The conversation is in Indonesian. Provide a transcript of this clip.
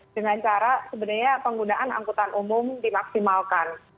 dengan cara sebenarnya penggunaan angkutan umum dimaksimalkan